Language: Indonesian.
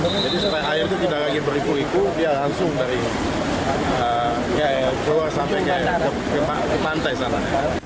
jadi setelah air itu tidak lagi beriku iku dia langsung dari keluar sampai ke pantai sana